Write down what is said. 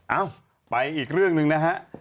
เอ้าไปอีกเรื่องหนึ่งนะฮะ